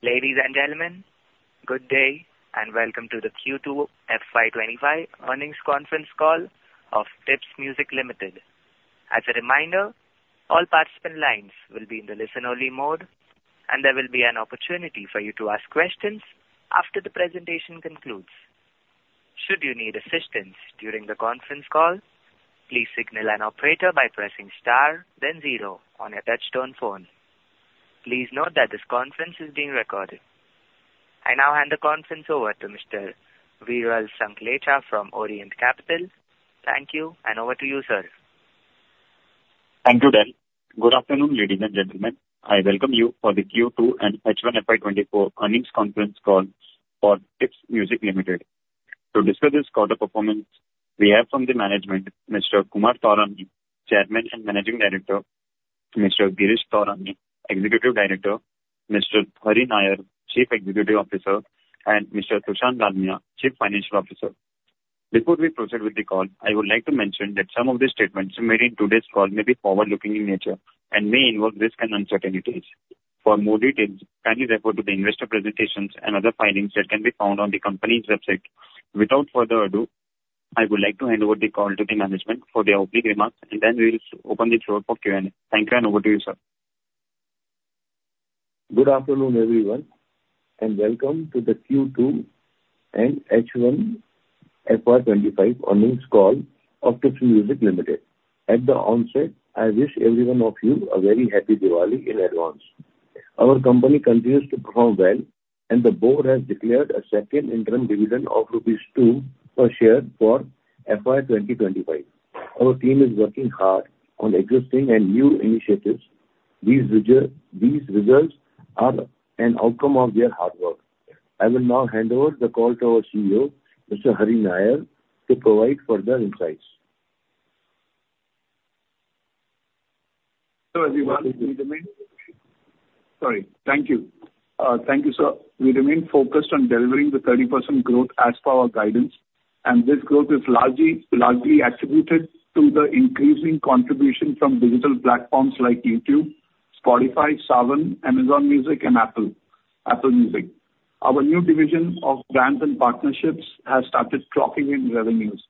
Ladies and gentlemen, good day, and welcome to the Q2 FY 2025 earnings conference call of Tips Music Limited. As a reminder, all participant lines will be in the listen-only mode, and there will be an opportunity for you to ask questions after the presentation concludes. Should you need assistance during the conference call, please signal an operator by pressing star then zero on your touchtone phone. Please note that this conference is being recorded. I now hand the conference over to Mr. Viral Sanklecha from Orient Capital. Thank you, and over to you, sir. Thank you, Dale. Good afternoon, ladies and gentlemen. I welcome you for the Q2 and H1 FY 2024 earnings conference call for Tips Music Limited. To discuss this quarter performance, we have from the management Mr. Kumar Taurani, Chairman and Managing Director, Mr. Girish Taurani, Executive Director, Mr. Hari Nair, Chief Executive Officer, and Mr. Sushant Dalmia, Chief Financial Officer. Before we proceed with the call, I would like to mention that some of the statements made in today's call may be forward-looking in nature and may involve risks and uncertainties. For more details, kindly refer to the investor presentations and other filings that can be found on the company's website. Without further ado, I would like to hand over the call to the management for their opening remarks, and then we'll open the floor for Q&A. Thank you, and over to you, sir. Good afternoon, everyone, and welcome to the Q2 and H1 FY 2025 earnings call of Tips Music Limited. At the onset, I wish every one of you a very happy Diwali in advance. Our company continues to perform well, and the board has declared a second interim dividend of rupees 2 per share for FY 2025. Our team is working hard on existing and new initiatives. These results are an outcome of their hard work. I will now hand over the call to our CEO, Mr. Hari Nair, to provide further insights. Thank you, sir. We remain focused on delivering the 30% growth as per our guidance, and this growth is largely attributed to the increasing contribution from digital platforms like YouTube, Spotify, Saavn, Amazon Music and Apple Music. Our new division of brands and partnerships has started clocking in revenues.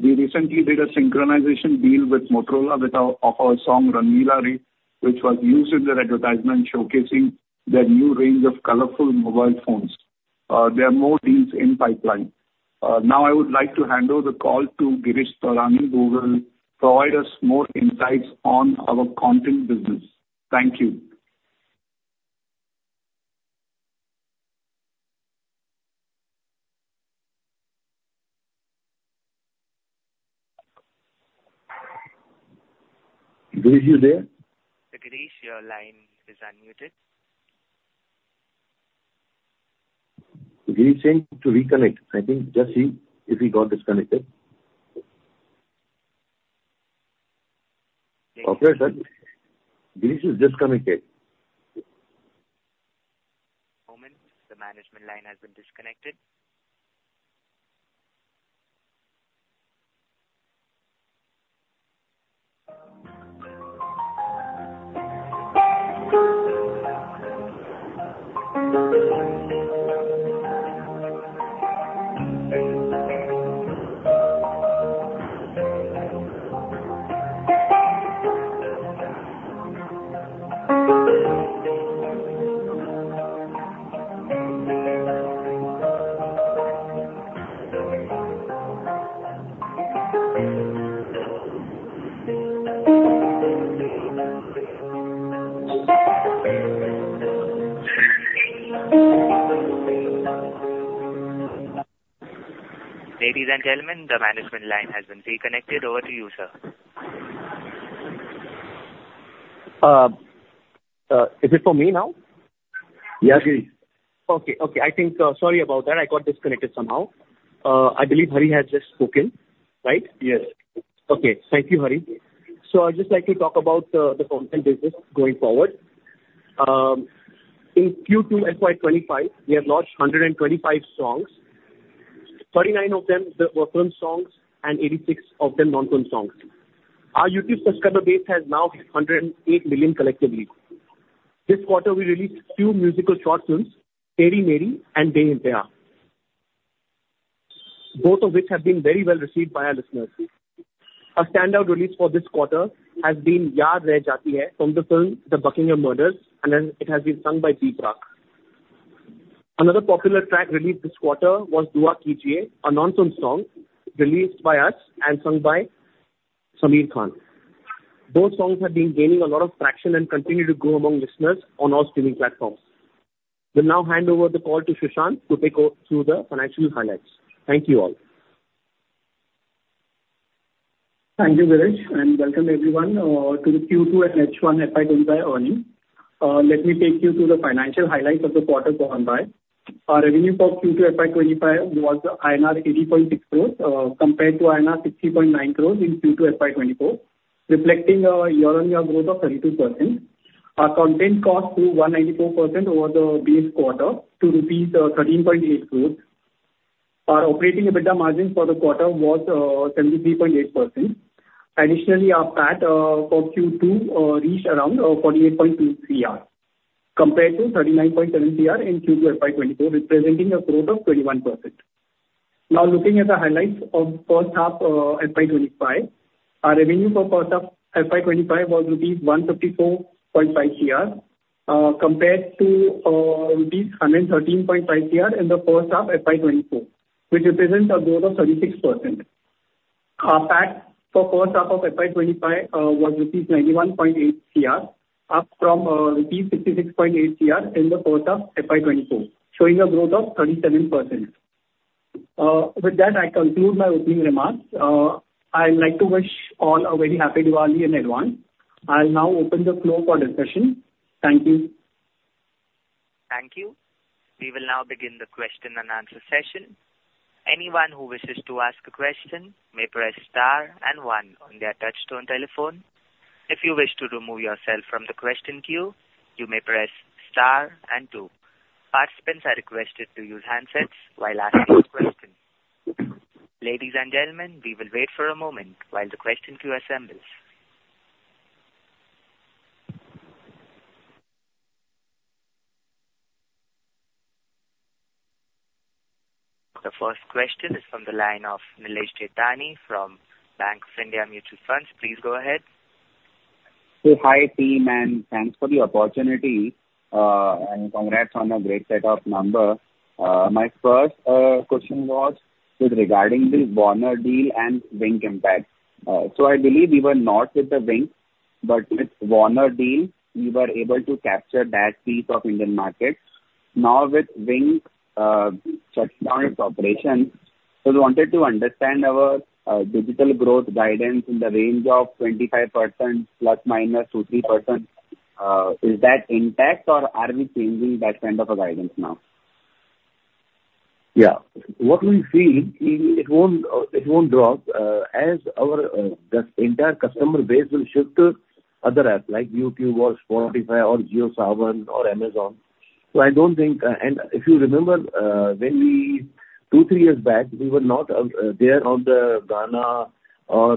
We recently did a synchronization deal with Motorola with our song, Rangeela Re, which was used in their advertisement showcasing their new range of colorful mobile phones. There are more deals in pipeline. Now I would like to hand over the call to Girish Taurani, who will provide us more insights on our content business. Thank you. Girish, you there? Girish, your line is unmuted. Girish, saying to reconnect. I think just see if he got disconnected. Operator, Girish is disconnected. Moment. The management line has been disconnected. Ladies and gentlemen, the management line has been reconnected. Over to you, sir. Is it for me now? Yeah, Girish. Okay. Okay, I think, sorry about that. I got disconnected somehow. I believe Hari has just spoken, right? Yes. Okay. Thank you, Hari. So I'd just like to talk about the content business going forward. In Q2 FY 2025, we have launched 125 songs, 39 of them they were film songs and 86 of them non-film songs. Our YouTube subscriber base has now hit 108 million collectively. This quarter, we released two musical short films, Teri Meri and De Inteha, both of which have been very well received by our listeners. Our standout release for this quarter has been Yaad Reh Jati Hai from the film The Buckingham Murders, and it has been sung by B Praak. Another popular track released this quarter was Dua Kijiye, a non-film song released by us and sung by Sameer Khan. Both songs have been gaining a lot of traction and continue to grow among listeners on all streaming platforms. Will now hand over the call to Sushant to take over through the financial highlights. Thank you, all. Thank you, Girish, and welcome everyone to the Q2 and H1 FY 2025 earnings. Let me take you through the financial highlights of the quarter gone by. Our revenue for Q2 FY 2025 was INR 80.6 crores, compared to INR 60.9 crores in Q2 FY 2024, reflecting a year-on-year growth of 32%. Our content cost grew 194% over the base quarter to rupees 13.8 crores. Our operating EBITDA margin for the quarter was 73.8%. Additionally, our PAT for Q2 reached around 48.2 cr, compared to 39.7 cr in Q2 FY 2024, representing a growth of 21%. Now, looking at the highlights of first half FY 2025. Our revenue for first half FY 2025 was rupees 154.5 crore, compared to rupees 113.5 crore in the first half FY 2024, which represents a growth of 36%. Our PAT for first half of FY 2025 was rupees 91.8 crore, up from rupees 66.8 crore in the first half FY 2024, showing a growth of 37%. With that, I conclude my opening remarks. I'd like to wish all a very happy Diwali in advance. I'll now open the floor for discussion. Thank you. Thank you. We will now begin the question and answer session. Anyone who wishes to ask a question may press star and one on their touchtone telephone. If you wish to remove yourself from the question queue, you may press star and two. Participants are requested to use handsets while asking your question. Ladies and gentlemen, we will wait for a moment while the question queue assembles. The first question is from the line of Nilesh Jethani from Bank of India Mutual Funds. Please go ahead. Hi, team, and thanks for the opportunity, and congrats on a great set of numbers. My first question was with regarding the Warner deal and Wynk impact. So I believe we were not with the Wynk, but with Warner deal, we were able to capture that piece of Indian market. Now, with Wynk shutting down its operations, so we wanted to understand our digital growth guidance in the range of 25% plus minus 2-3%. Is that intact or are we changing that kind of a guidance now? Yeah. What we feel, it won't drop, as our entire customer base will shift to other apps like YouTube or Spotify or JioSaavn or Amazon. So I don't think. And if you remember, when we, two, three years back, we were not there on the Gaana or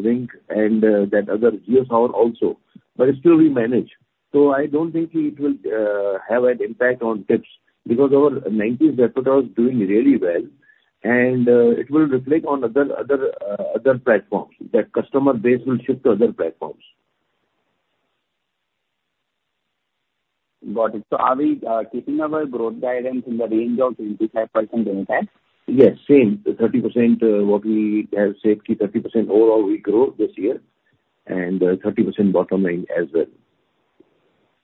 Wynk and that other, JioSaavn also, but still we managed. So I don't think it will have an impact on Tips, because our 90s repertoire was doing really well, and it will reflect on other platforms. That customer base will shift to other platforms. Got it. So are we keeping our growth guidance in the range of 25% intact? Yes, same. 30%, what we have said, 30% overall we grow this year, and, 30% bottom line as well.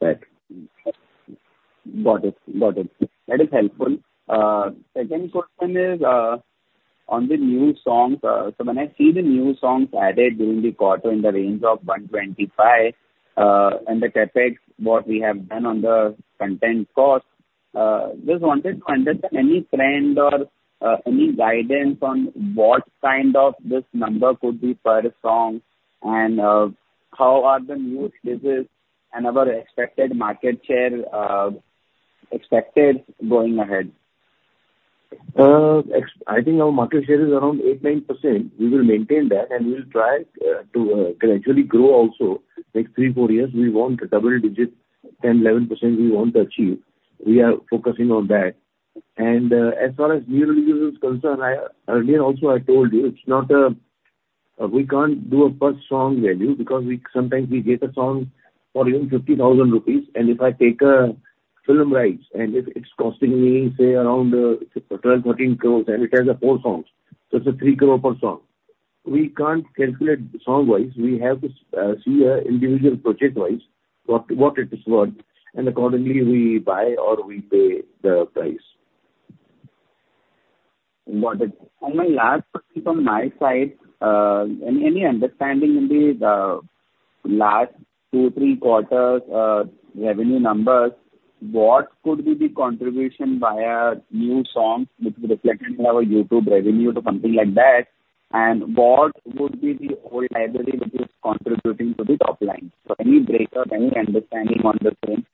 Right. Got it. Got it. That is helpful. Second question is on the new songs. So when I see the new songs added during the quarter in the range of 125, and the CapEx, what we have done on the content cost, just wanted to understand any trend or any guidance on what kind of this number could be per song, and how are the new releases and our expected market share expected going ahead? I think our market share is around 8-9%. We will maintain that, and we will try to gradually grow also. Next 3-4 years, we want double-digit, 10-11% we want to achieve. We are focusing on that. And as far as new releases are concerned, I earlier also I told you, it's not, we can't do a per song value because we sometimes we get a song for even 50,000 rupees, and if I take film rights, it's costing me, say, around 12-13 crores, and it has four songs, so it's 3 crore per song. We can't calculate song-wise, we have to see individual project-wise, what it is worth, and accordingly, we buy or we pay the price. Got it. And my last question from my side, any understanding in the last two, three quarters' revenue numbers, what could be the contribution via new songs, which is reflected in our YouTube revenue to something like that? And what would be the old library which is contributing to the top line? So any breakup, any understanding on the front?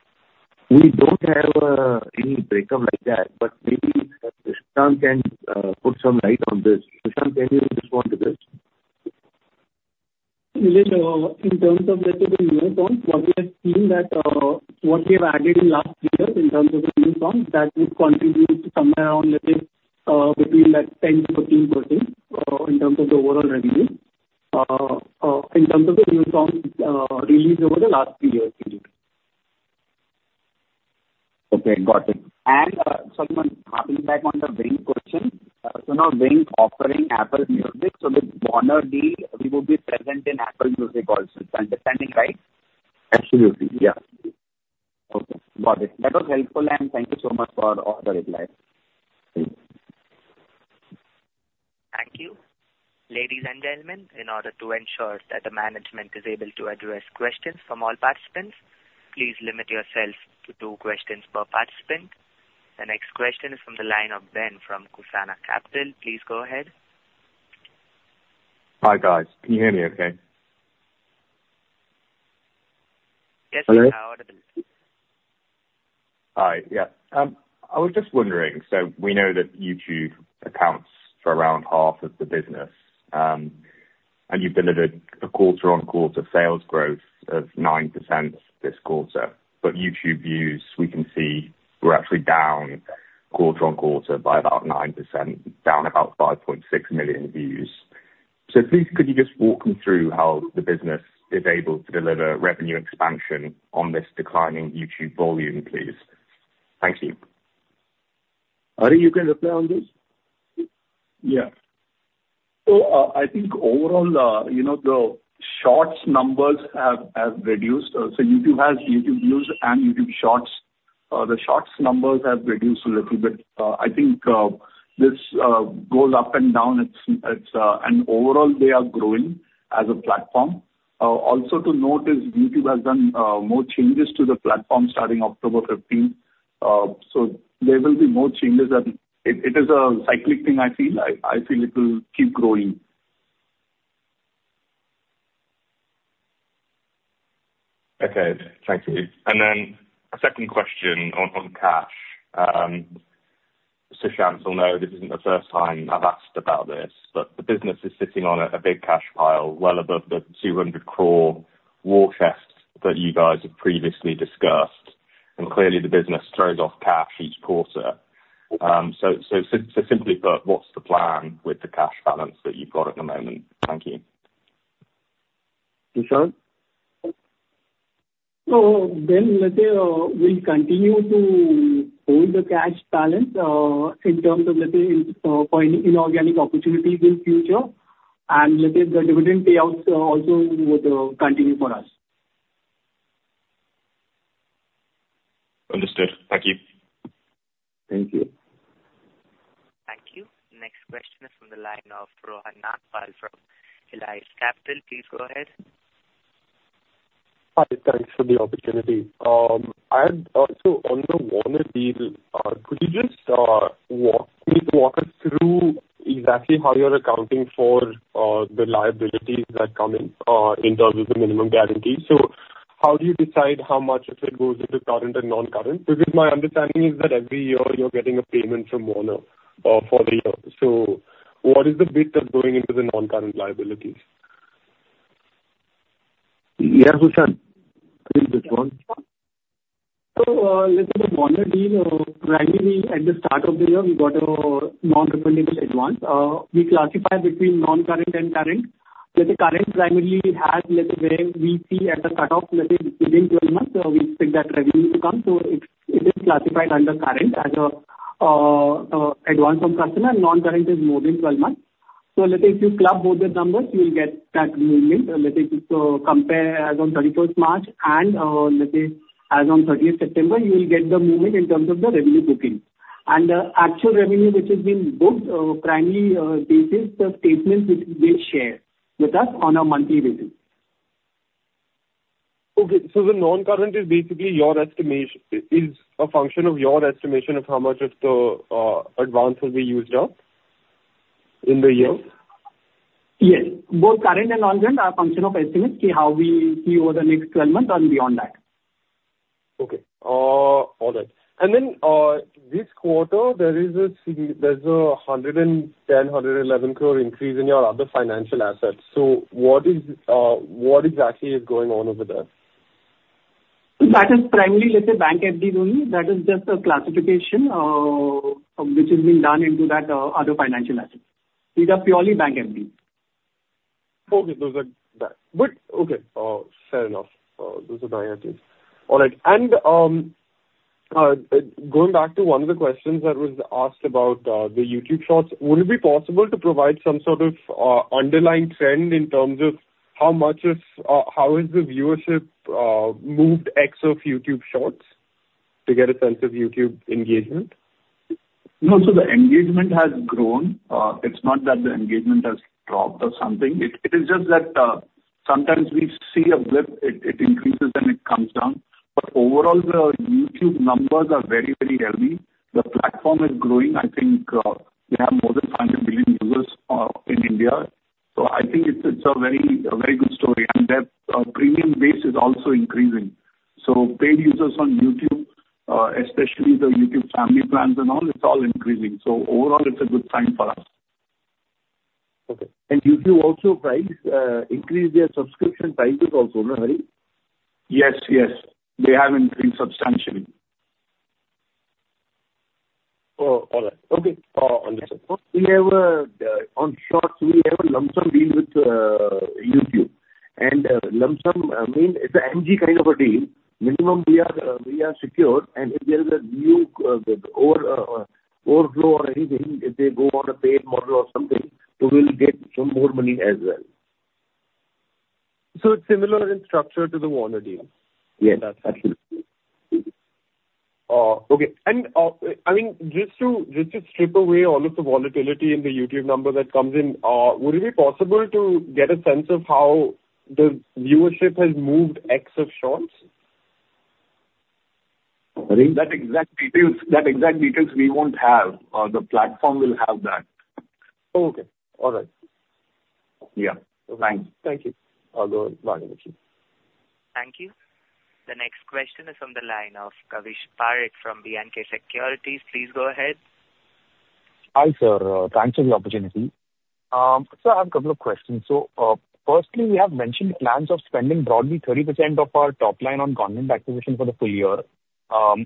We don't have any breakup like that, but maybe Sushant can put some light on this. Sushant, can you respond to this? Nilesh, in terms of the new songs, what we have seen that, what we have added in last year in terms of the new songs, that would contribute to somewhere around, let's say, between like 10%-14%, in terms of the overall revenue. In terms of the new songs, released over the last three years. Okay, got it. And, Salman, hopping back on the Wynk question. So now Wynk offering Apple Music, so with Warner deal, we will be present in Apple Music also. Is my understanding right? Absolutely, yeah. Okay, got it. That was helpful, and thank you so much for all the replies. Thank you. Thank you. Ladies and gentlemen, in order to ensure that the management is able to address questions from all participants, please limit yourself to two questions per participant. The next question is from the line of Ben from Kusana Capital. Please go ahead. Hi, guys. Can you hear me okay? Hi. Yeah. I was just wondering, so we know that YouTube accounts for around half of the business, and you've delivered a quarter on quarter sales growth of 9% this quarter. But YouTube views, we can see, were actually down quarter on quarter by about 9%, down about 5.6 million views. So please, could you just walk me through how the business is able to deliver revenue expansion on this declining YouTube volume, please? Thank you. Hari, you can explain on this? Yeah. So, I think overall, you know, the Shorts numbers have reduced. So YouTube has YouTube views and YouTube Shorts. The Shorts numbers have reduced a little bit. I think this goes up and down. It's... And overall, they are growing as a platform. Also to note is YouTube has done more changes to the platform starting October fifteenth, so there will be more changes and it is a cyclic thing, I feel. I feel it will keep growing. Okay, thank you. And then a second question on cash. Sushant will know this isn't the first time I've asked about this, but the business is sitting on a big cash pile, well above the 200 crore war chest that you guys have previously discussed, and clearly the business throws off cash each quarter. So simply put, what's the plan with the cash balance that you've got at the moment? Thank you. Sushant? So then, let's say, we'll continue to hold the cash balance in terms of, let's say, in finding inorganic opportunity in future, and let's say, the dividend payouts also will continue for us. Understood. Thank you. Thank you. Thank you. Next question is from the line of Rohan Nagpal from Helios Capital. Please go ahead. Hi, thanks for the opportunity. I had also, on the Warner deal, could you just walk us through exactly how you're accounting for the liabilities that come in in terms of the minimum guarantee? So how do you decide how much of it goes into current and non-current? Because my understanding is that every year you're getting a payment from Warner for the year. So what is the bit that's going into the non-current liabilities? Yeah, Sushant, please respond. So, let's say the Warner deal, primarily at the start of the year, we got a non-refundable advance. We classify between non-current and current. The current primarily has, let's say, we see at the cut-off, let's say, within twelve months, we expect that revenue to come, so it's, it is classified under current as a advance from customer, and non-current is more than twelve months. So let's say if you club both the numbers, you will get that movement. So compare as on thirty-first March and, let's say, as on thirtieth September, you will get the movement in terms of the revenue booking. The actual revenue, which has been booked, primarily based on the statements which they share with us on a monthly basis. Okay, so the non-current is basically a function of your estimation of how much of the advance will be used up in the year? Yes. Both current and non-current are a function of estimate, okay, how we see over the next twelve months and beyond that. Okay. All right. And then, this quarter, there is a 110-111 crore increase in your other financial assets. So what is, what exactly is going on over there? That is primarily, let's say, bank FD only. That is just a classification, which has been done into that, other financial assets. These are purely bank FD. Okay, those are. But... Okay, fair enough. Those are my entries. All right. And going back to one of the questions that was asked about the YouTube Shorts, would it be possible to provide some sort of underlying trend in terms of how much is, how is the viewership moved ex of YouTube Shorts to get a sense of YouTube engagement? No, so the engagement has grown. It's not that the engagement has dropped or something. It is just that, sometimes we see a blip, it increases, then it comes down. But overall, the YouTube numbers are very, very healthy. The platform is growing. I think, we have more than 100 million users in India, so I think it's a very good story. And the premium base is also increasing. So paid users on YouTube, especially the YouTube Family plans and all, it's all increasing. So overall, it's a good sign for us. Okay. YouTube also prices increased their subscription prices also, no, Hari? Yes, yes, they have increased substantially. Oh, all right. Okay, understood. We have on Shorts, we have a lump sum deal with YouTube. And lump sum means it's a MG kind of a deal. Minimum we are secure, and if there is a new over overflow or anything, if they go on a paid model or something, so we'll get some more money as well. So it's similar in structure to the Warner deal? Yes, absolutely. Okay. And, I mean, just to strip away all of the volatility in the YouTube number that comes in, would it be possible to get a sense of how the viewership has moved ex of Shorts? ...That exact details we won't have. The platform will have that. Okay. All right. Yeah. Thanks. Thank you. Bye. Thank you. The next question is from the line of Kavish Parekh from B&K Securities. Please go ahead. Hi, sir, thanks for the opportunity. So I have a couple of questions. So, firstly, we have mentioned plans of spending broadly 30% of our top line on content acquisition for the full year.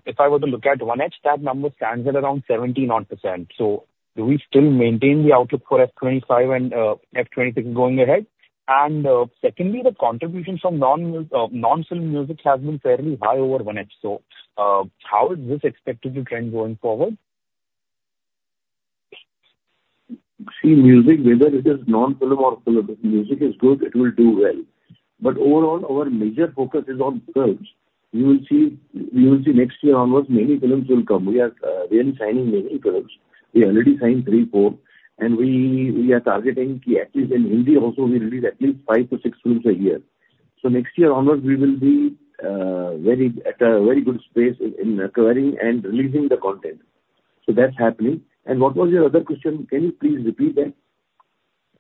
If I were to look at H1, that number stands at around 70-odd%. So do we still maintain the outlook for FY 2025 and FY 2026 going ahead? And, secondly, the contribution from non-film music has been fairly high over H1. So, how is this expected to trend going forward? See, music, whether it is non-film or film, music is good, it will do well. But overall, our major focus is on films. You will see, you will see next year onwards, many films will come. We are, we are signing many films. We already signed three, four, and we, we are targeting at least in Hindi also, we release at least five to six films a year. So next year onwards, we will be, very, at a very good space in, in acquiring and releasing the content. So that's happening. And what was your other question? Can you please repeat that?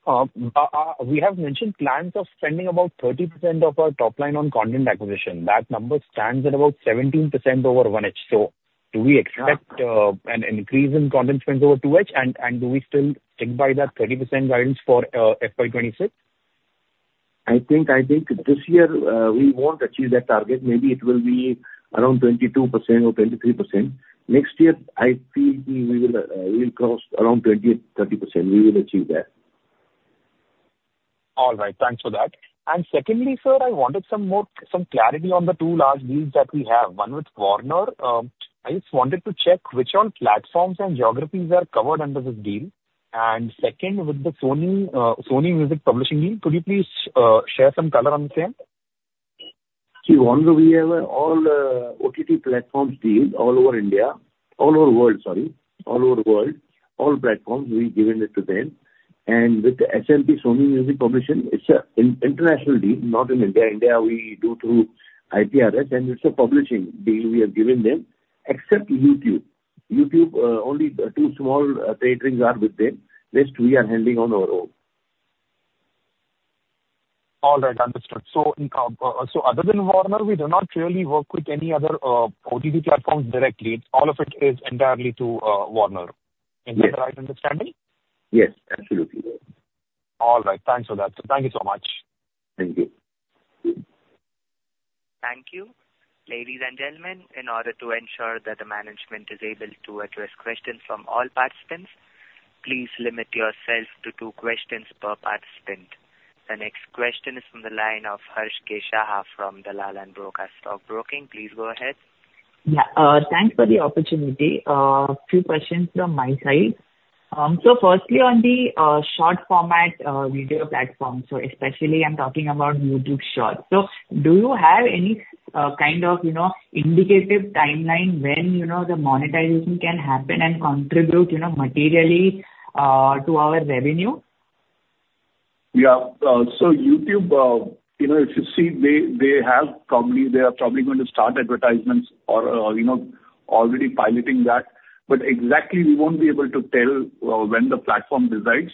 We have mentioned plans of spending about 30% of our top line on content acquisition. That number stands at about 17% over FY 2024. So do we expect, Yeah. An increase in content spend over two years? And, do we still stick by that 30% guidance for FY 2026? I think, I think this year, we won't achieve that target. Maybe it will be around 22% or 23%. Next year, I feel we will cross around 20%-30%. We will achieve that. All right. Thanks for that. And secondly, sir, I wanted some more, some clarity on the two large deals that we have, one with Warner. I just wanted to check which all platforms and geographies are covered under this deal. And second, with the Sony, Sony Music Publishing deal, could you please, share some color on the same? See, Warner, we have all OTT platforms deal all over India. All over world, sorry. All over the world, all platforms, we've given it to them. And with the SMP Sony Music Publishing, it's an international deal, not in India. India, we do through IPRS, and it's a publishing deal we have given them, except YouTube. YouTube, only two small trading rights are with them. Rest, we are handling on our own. All right. Understood. So other than Warner, we do not really work with any other OTT platforms directly. All of it is entirely through Warner. Yes. Is that the right understanding? Yes, absolutely yes. All right. Thanks for that, so thank you so much. Thank you. Thank you. Ladies and gentlemen, in order to ensure that the management is able to address questions from all participants, please limit yourself to two questions per participant. The next question is from the line of Harsh Shah from Dalal and Broacha Stock Broking. Please go ahead. Yeah, thanks for the opportunity. A few questions from my side. So firstly, on the short format video platform, so especially I'm talking about YouTube Shorts. So do you have any kind of, you know, indicative timeline when, you know, the monetization can happen and contribute, you know, materially to our revenue? Yeah, so YouTube, you know, if you see, they are probably going to start advertisements or, you know, already piloting that, but exactly, we won't be able to tell, when the platform decides.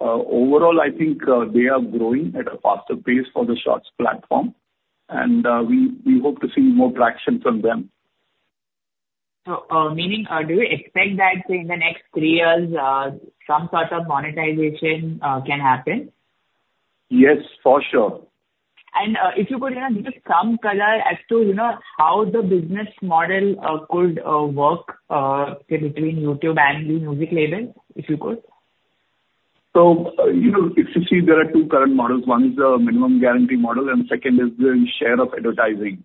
Overall, I think, they are growing at a faster pace for the Shorts platform, and we hope to see more traction from them. Meaning, do you expect that in the next three years, some sort of monetization can happen? Yes, for sure. If you could, you know, give some color as to, you know, how the business model could work, say, between YouTube and the music label, if you could? So, you know, if you see, there are two current models. One is the minimum guarantee model, and second is the share of advertising.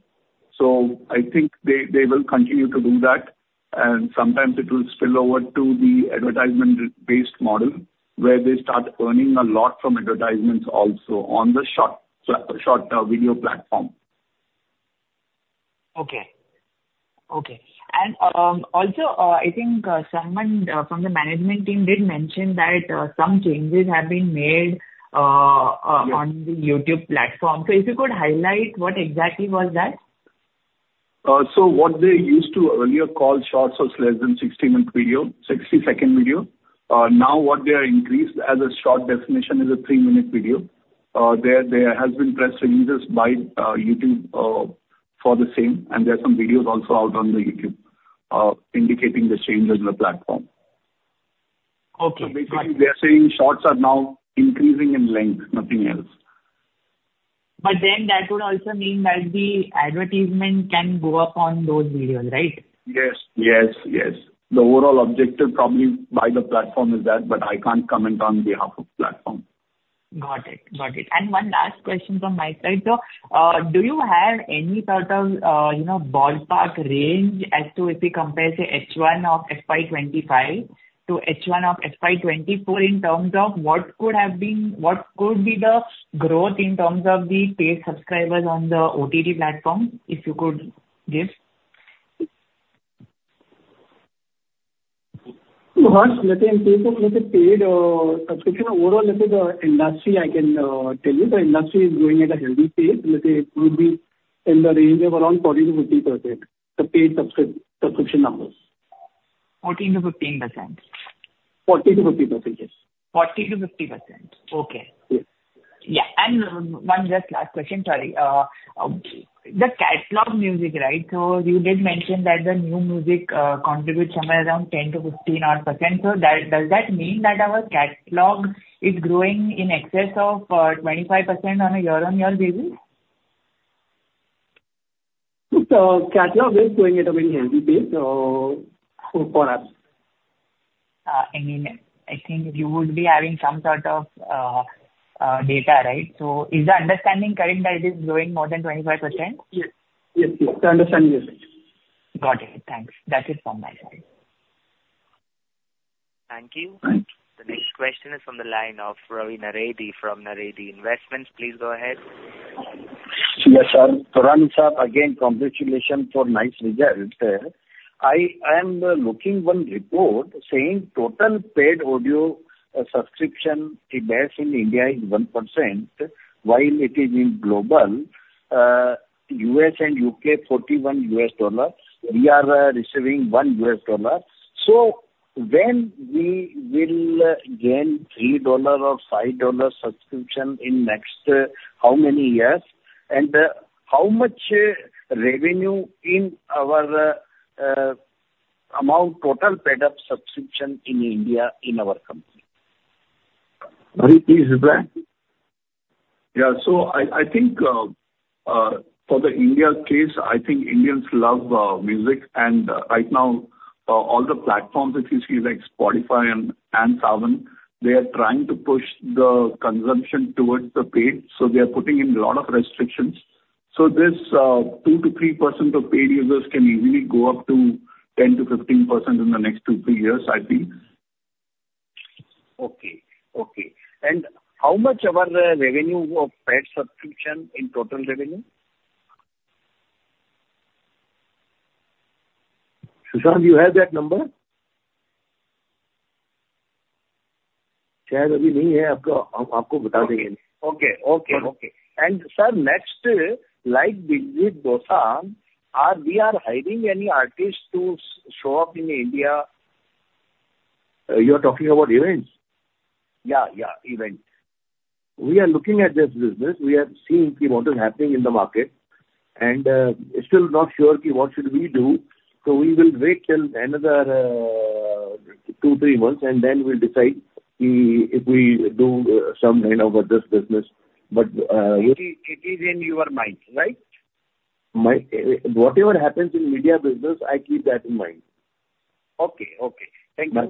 So I think they will continue to do that, and sometimes it will spill over to the advertisement-based model, where they start earning a lot from advertisements also on the Shorts video platform. Okay. Okay. And, also, I think, someone from the management team did mention that, some changes have been made. Yeah... on the YouTube platform. So if you could highlight, what exactly was that? So what they used to earlier call Shorts was less than sixty-second video, 60 seconds video. Now, what they have increased as a Shorts definition is a three-minute video. There has been pressure to users by YouTube for the same, and there are some videos also out on YouTube indicating the changes in the platform. Okay. They are saying Shorts are now increasing in length, nothing else. But then that would also mean that the advertisement can go up on those videos, right? Yes, yes, yes. The overall objective, probably, by the platform is that, but I can't comment on behalf of the platform. Got it. Got it. And one last question from my side, sir. Do you have any sort of, you know, ballpark range as to if we compare, say, H1 of FY 2025 to H1 of FY 2024, in terms of what could have been, what could be the growth in terms of the paid subscribers on the OTT platform, if you could give? ... So first, let me in case of like a paid subscription, overall, let's say the industry, I can tell you, the industry is growing at a healthy pace. Let's say it would be in the range of around 40%-50%, the paid subscription numbers. 14%-15%? 40%-50%, yes. 40%-50%. Okay. Yes. Yeah, and one just last question, sorry. The catalog music, right? So you did mention that the new music contributes somewhere around 10-15 odd%. So that, does that mean that our catalog is growing in excess of 25% on a year-on-year basis? Catalog is growing at a very healthy pace for us. I mean, I think you would be having some sort of data, right? So is the understanding correct that it is growing more than 25%? Yes. Yes, yes, the understanding is right. Got it. Thanks. That is from my side. Thank you. Thank you. The next question is from the line of Ravi Naredi from Naredi Investments. Please go ahead. Yes, sir. Taurani sir, again, congratulations for nice results. I am looking one report saying total paid audio subscription base in India is 1%, while it is in global, U.S. and U.K., $41. We are receiving $1. So when we will gain $3 or $5 subscription in next, how many years? And, how much revenue in our amount total paid-up subscription in India in our company? Ravi, please repeat. Yeah, so I think, for the India case, I think Indians love music, and right now, all the platforms, if you see, like Spotify and Saavn, they are trying to push the consumption towards the paid, so they are putting in a lot of restrictions. So this 2-3% of paid users can easily go up to 10-15% in the next 2-3 years, I think. Okay. And how much our revenue of paid subscription in total revenue? Sushant, do you have that number? Okay. And sir, next, like with Dosanjh, are we hiring any artists to show up in India? You're talking about events? Yeah, yeah, events. We are looking at this business. We are seeing what is happening in the market, and still not sure ki what should we do. So we will wait till another two, three months, and then we'll decide if we do some kind of this business. But, It is, it is in your mind, right? My, whatever happens in media business, I keep that in mind. Okay, okay. Thank you.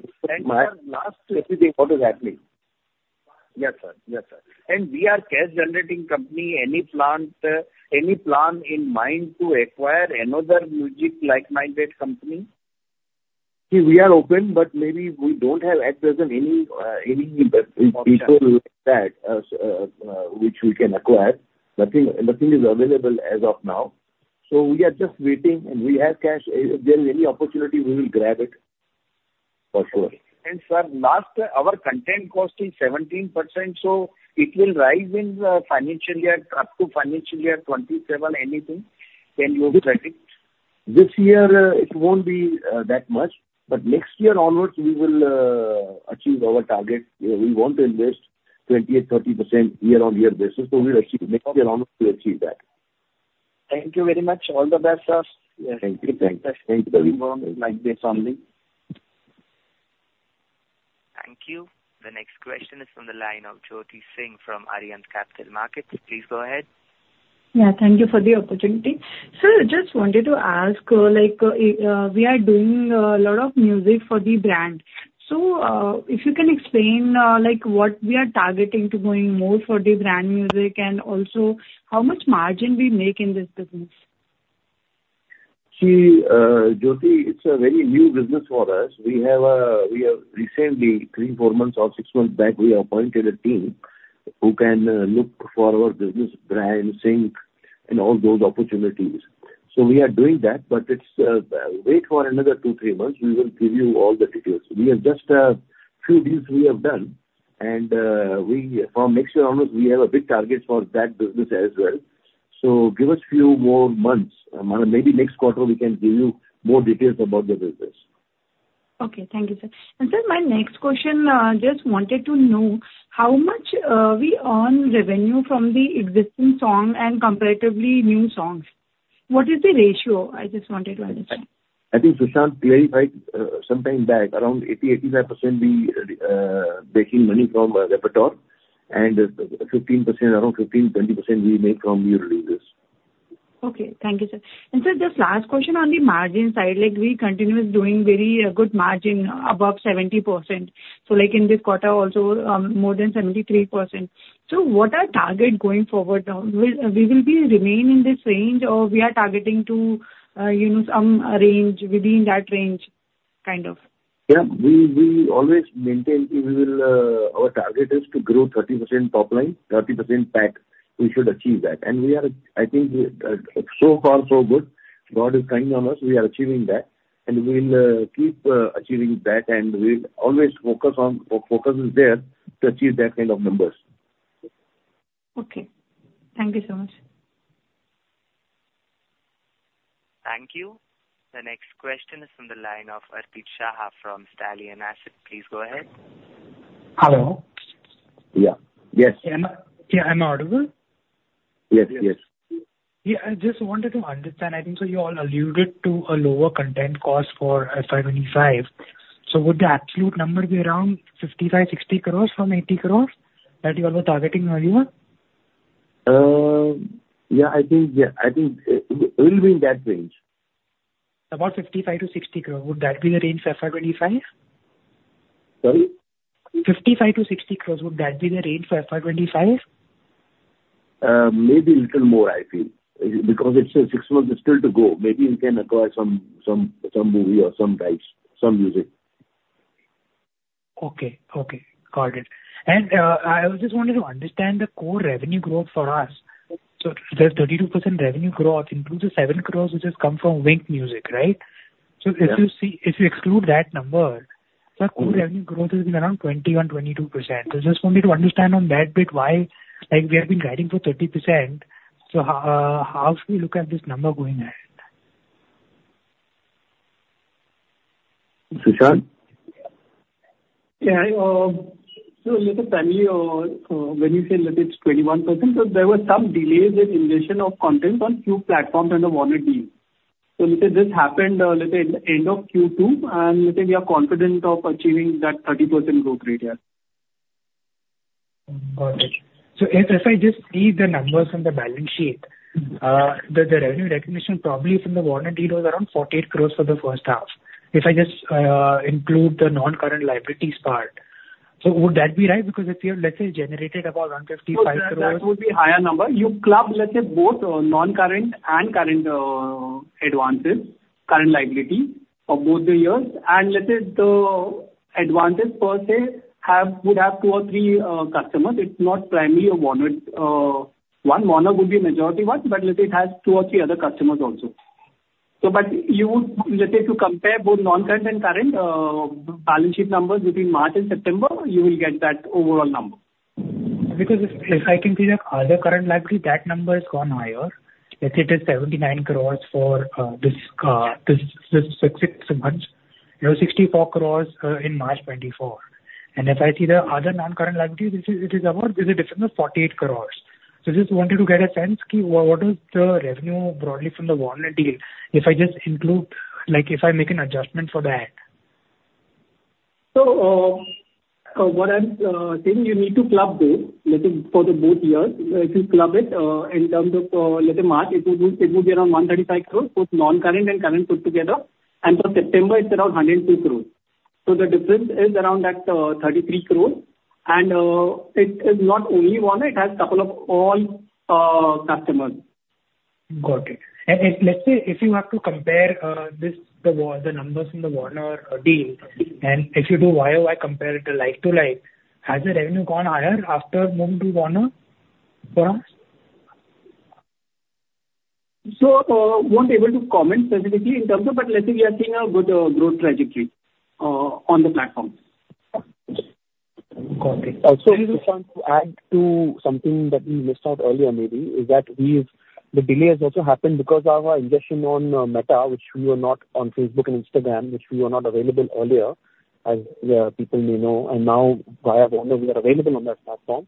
My- And last- Everything. What is happening? Yes, sir. Yes, sir. And we are cash generating company. Any plan in mind to acquire another music like-minded company? See, we are open, but maybe we don't have, at present, any, any people like that, which we can acquire. Nothing, nothing is available as of now. So we are just waiting, and we have cash. If there is any opportunity, we will grab it, for sure. Sir, last, our content cost is 17%, so it will rise in the financial year up to financial year 2027. Anything? Can you predict? This year, it won't be that much, but next year onwards, we will achieve our target. We want to invest 20%-30% year-on-year basis, so next year onwards we'll achieve that. Thank you very much. All the best, sir. Thank you. Thank you. Thank you very much. Like this only. Thank you. The next question is from the line of Jyoti Singh from Arihant Capital Markets. Please go ahead. Yeah, thank you for the opportunity. Sir, just wanted to ask, like, we are doing a lot of music for the brand. So, if you can explain, like, what we are targeting to going more for the brand music, and also, how much margin we make in this business? See, Jyoti, it's a very new business for us. We have recently, three, four months or six months back, we appointed a team who can look for our business brand sync and all those opportunities. So we are doing that, but it's wait for another two, three months. We will give you all the details. We have just few deals we have done, and we from next year onwards, we have a big target for that business as well. So give us few more months. Maybe next quarter, we can give you more details about the business. Okay. Thank you, sir. And sir, my next question, just wanted to know how much we earn revenue from the existing song and comparatively new songs? What is the ratio? I just wanted to understand. I think Sushant clarified, sometime back, around 80-85% we making money from repertoire, and 15%, around 15-20% we make from new releases. Okay. Thank you, sir. And sir, just last question on the margin side, like, we continuously doing very good margin, above 70%. So like in this quarter also, more than 73%. So what are target going forward now? Will we will be remaining in this range or we are targeting to, you know, some range, within that range, kind of? Yeah, we always maintain we will. Our target is to grow 30% top line, 30% PAT. We should achieve that, and we are, I think, so far so good. God is kind on us. We are achieving that, and we'll keep achieving that, and we'll always focus on. Our focus is there to achieve that kind of numbers. Okay. Thank you so much. Thank you. The next question is from the line of Arpit Shah from Stallion Asset. Please go ahead. Hello? Yeah. Yes. Am I, yeah, am I audible? Yes, yes. Yeah, I just wanted to understand. I think so you all alluded to a lower content cost for FY 2025. So would the absolute number be around 55-60 crores from 80 crores that you were targeting earlier? Yeah, I think it will be in that range. About 55-60 crore, would that be the range for FY 2025? Sorry? 55-60 crores, would that be the range for FY 2025? Maybe little more, I feel. Because it's six months are still to go. Maybe we can acquire some movie or some rights, some music. Okay. Okay, got it. And I also wanted to understand the core revenue growth for us. So there's 32% revenue growth, including 7 crores, which has come from Wynk Music, right? Yeah. So if you see, if you exclude that number, the core revenue growth is around 20 or 22%. So I just wanted to understand on that bit why, like, we have been guiding for 30%, so how should we look at this number going ahead? Sushant? Yeah, hi, so, look, firstly, when you say that it's 21%, so there were some delays in ingestion of content on few platforms and the Warner deal. So this happened, let's say in the end of Q2, and I think we are confident of achieving that 30% growth rate, yeah. Got it. So if I just see the numbers on the balance sheet, the revenue recognition probably from the Warner deal was around 48 crores for the H1. If I just include the non-current liabilities part, so would that be right? Because if you have, let's say, generated about 155 crores- So that, that would be higher number. You club, let's say, both, non-current and current, advances, current liability for both the years, and let's say the advances per se have, would have two or three, customers. It's not primarily a Warner. One, Warner would be a majority one, but let's say it has two or three other customers also. So but you, let's say, if you compare both non-current and current, balance sheet numbers between March and September, you will get that overall number. Because if I can see the other current liability, that number has gone higher. Let's say it is 79 crores for this six months. It was 64 crores in March 2024. And if I see the other non-current liabilities, it is about. There's a difference of 48 crores. So I just wanted to get a sense, ki what is the revenue broadly from the Warner deal, if I just include, like, if I make an adjustment for that? What I'm saying, you need to club both, let's say for both years. If you club it in terms of, let's say, March, it will be around 135 crores, both non-current and current put together, and for September it's around 102 crores. The difference is around that 33 crores. It is not only Warner. It has a couple of other customers. Got it. And let's say if you have to compare this, the numbers from the Warner deal, and if you do YOY compare it to like-to-like, has the revenue gone higher after moving to Warner for us? So, won't be able to comment specifically in terms of... But let's say we are seeing a good, growth trajectory, on the platform. Got it. Also, I just want to add to something that we missed out earlier maybe, is that we've. The delay has also happened because our ingestion on Meta, which we were not on Facebook and Instagram, which we were not available earlier, as people may know, and now via Warner, we are available on that platform.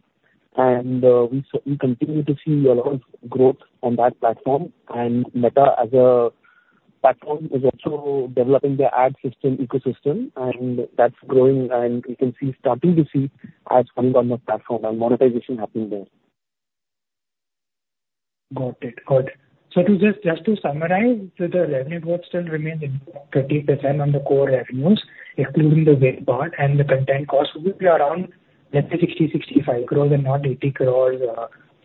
And we continue to see a lot of growth on that platform. And Meta, as a platform, is also developing their ad system ecosystem, and that's growing, and you can see, starting to see ads on the platform and monetization happening there. Got it. Got it. So to just, just to summarize, so the revenue growth still remains in 30% on the core revenues, including the Wynk part, and the content cost will be around, let's say, 60-65 crores and not 80 crores,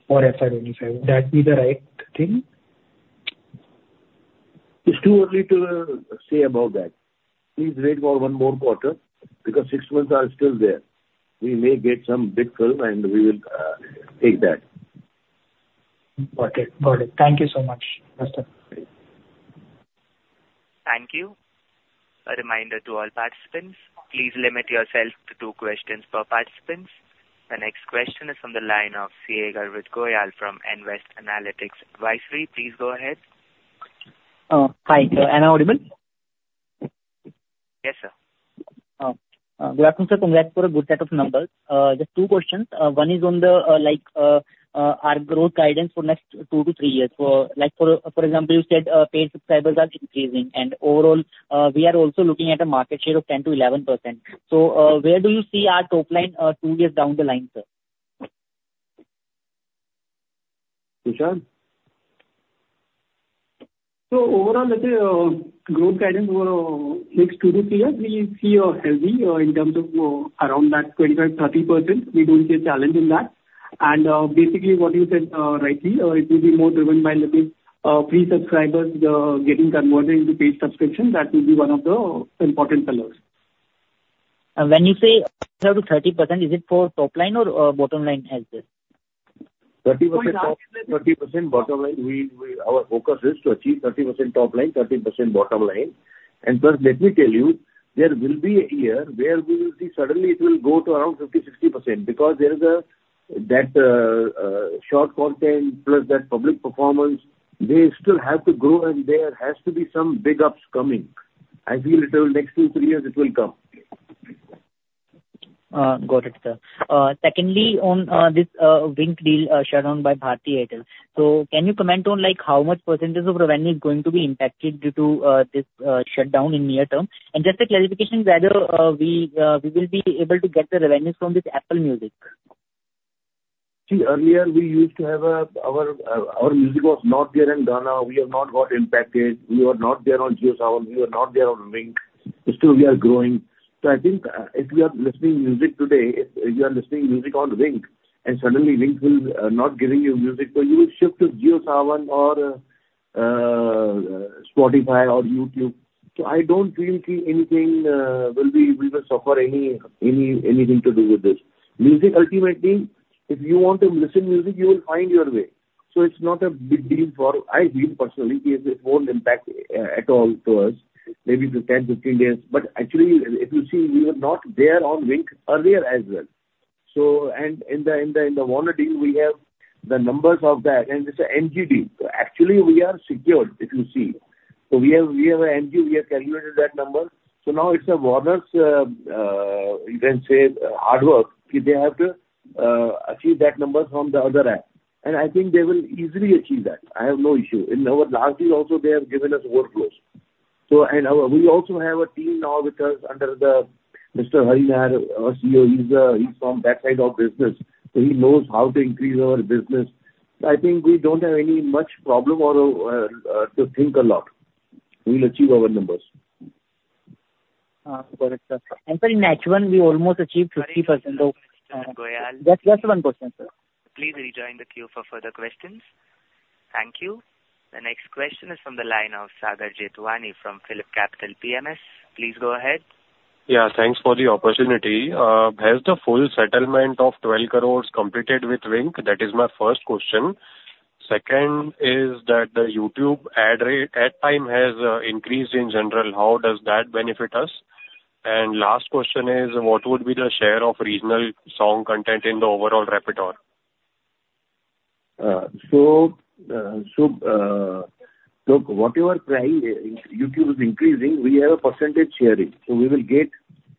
for FY 2025. Would that be the right thing? It's too early to say about that. Please wait for one more quarter, because six months are still there. We may get some big film, and we will take that. Got it. Got it. Thank you so much. That's it. Thank you. A reminder to all participants, please limit yourself to two questions per participant. The next question is from the line of CA Garvit Goyal from Nvest Analytics Advisory. Please go ahead. Hi. Am I audible? Yes, sir. Oh, good afternoon, sir. Congrats for a good set of numbers. Just two questions. One is on the, like, our growth guidance for next two to three years. For, like, example, you said, paid subscribers are increasing, and overall, we are also looking at a market share of 10%-11%. So, where do you see our top line, two years down the line, sir? Sushant? So overall, let's say, growth guidance for next two to three years, we see healthy in terms of around that 25-30%. We don't see a challenge in that. And basically what you said rightly, it will be more driven by looking free subscribers getting converted into paid subscription. That will be one of the important pillars.... And when you say 30%-30%, is it for top line or bottom line as well? 30% top, 30% bottom line. Our focus is to achieve 30% top line, 30% bottom line. And plus, let me tell you, there will be a year where we will see suddenly it will go to around 50-60% because there is a, that, short content plus that public performance, they still have to grow, and there has to be some big ups coming. I feel it will next 2-3 years, it will come. Got it, sir. Secondly, on this Wynk deal shut down by Bharti Airtel. So can you comment on, like, how much percentage of revenue is going to be impacted due to this shutdown in near term? And just a clarification, whether we will be able to get the revenues from this Apple Music. See, earlier, we used to have a, our, our music was not there in Gaana. We have not got impacted. We were not there on JioSaavn, we were not there on Wynk. Still, we are growing. So I think, if you are listening music today, if you are listening music on Wynk, and suddenly Wynk will, not giving you music, so you will shift to JioSaavn or, Spotify or YouTube. So I don't really see anything, will be, we will suffer any, anything to do with this. Music, ultimately, if you want to listen music, you will find your way. So it's not a big deal for... I feel personally it won't impact, at all to us, maybe to 10, 15 days. But actually, if you see, we were not there on Wynk earlier as well. So, and in the Warner deal, we have the numbers of that, and it's an MG deal. So actually, we are secured, if you see. So we have an MG deal, we have calculated that number. So now it's Warner's. You can say hard work ki they have to achieve that number from the other app. And I think they will easily achieve that. I have no issue. In our last deal also, they have given us workflows. So and we also have a team now with us under Mr. Hari Nair, our CEO. He's from that side of business, so he knows how to increase our business. I think we don't have any much problem or to think a lot. We will achieve our numbers. Got it, sir. And sir, in H1, we almost achieved 50% of- Mr. Goyal. Just one question, sir. Please rejoin the queue for further questions. Thank you. The next question is from the line of Sagar Jethwani from PhillipCapital. Please go ahead. Yeah, thanks for the opportunity. Has the full settlement of INR 12 crores completed with Wynk? That is my first question. Second is that the YouTube ad time has increased in general. How does that benefit us? And last question is: What would be the share of regional song content in the overall repertoire? Look, what you are trying, YouTube is increasing, we have a percentage sharing, so we will get